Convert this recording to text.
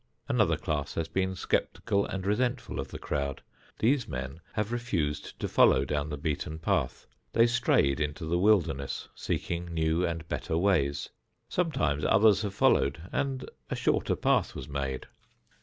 Another class has been skeptical and resentful of the crowd. These men have refused to follow down the beaten path; they strayed into the wilderness seeking new and better ways. Sometimes others have followed and a shorter path was made.